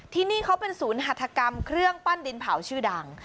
ที่นี่เขาเป็นศูนย์หัฐกรรมเครื่องปั้นดินเผาชื่อดัง